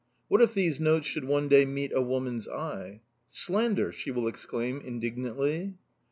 What if these notes should one day meet a woman's eye? "Slander!" she will exclaim indignantly.